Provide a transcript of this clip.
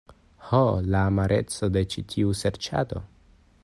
Ho, la amareco de ĉi tiu serĉado.